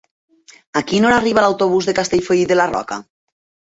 A quina hora arriba l'autobús de Castellfollit de la Roca?